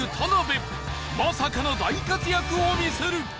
まさかの大活躍を見せる